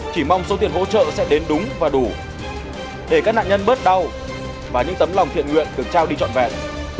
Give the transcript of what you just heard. chỉ mong số tiền hỗ trợ sẽ đến đúng và đủ để các nạn nhân bớt đau và những tấm lòng thiện nguyện được trao đi trọn vẹn